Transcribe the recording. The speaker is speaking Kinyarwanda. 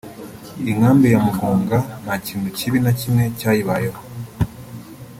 Inkambi ya Mugunga nta kintu kibi na kimwe cyayibayeho